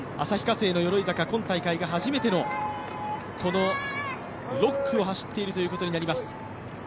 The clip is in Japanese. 旭化成の鎧坂、今大会が初めての６区を走っていることになります。